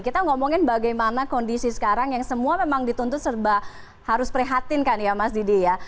kita ngomongin bagaimana kondisi sekarang yang semua memang dituntut serba harus prihatin kan ya mas didi ya